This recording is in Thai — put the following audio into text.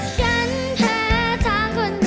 ฉันแพ้ทางคนหนึ่งเจอ